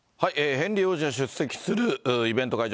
ヘンリー王子が出席するイベント会場